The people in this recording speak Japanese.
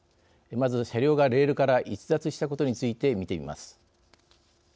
まず、車両がレールから逸脱したことについて見てみます。